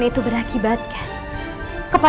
jaga dewa batara